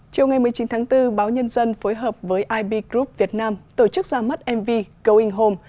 chiều ngày một mươi chín tháng bốn báo nhân dân phối hợp với ib group việt nam tổ chức ra mắt mv going home